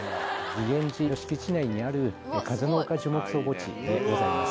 慈眼寺敷地内にある風の丘樹木葬墓地でございます。